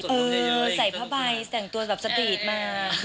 เออใส่ผ้าใบแต่งตัวแบบสปีดมา